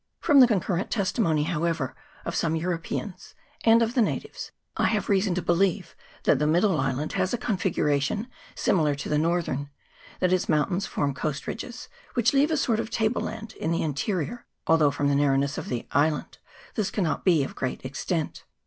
From the concurrent testimony, however, of some Eu ropeans and of the natives, I have reason to believe that the Middle Island has a configuration similar to the Northern; that its mountains form coast ridges, which leave a sort of table land in the inte rior, although from the narrowness of the island this cannot be of great extent.